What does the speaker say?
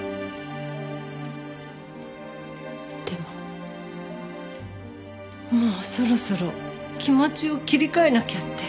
でももうそろそろ気持ちを切り替えなきゃって。